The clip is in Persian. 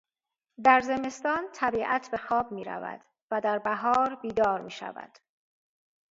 در زمستان طبیعت به خواب میرود و در بهار بیدار میشود.